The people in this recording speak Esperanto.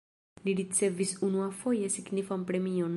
Li ricevis unuafoje signifan premion.